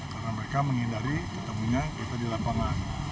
karena mereka menghindari ketemunya kereta dilaporkan